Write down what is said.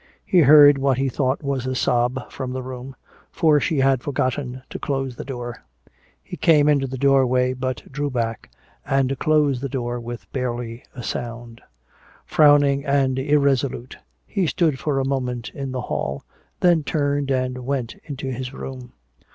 He heard what he thought was a sob from the room, for she had forgotten to close the door. He came into the doorway but drew back, and closed the door with barely a sound. Frowning and irresolute, he stood for a moment in the hall, then turned and went into his room.